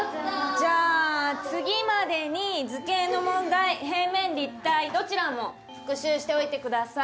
じゃあ次までに図形の問題平面立体どちらも復習しておいてください。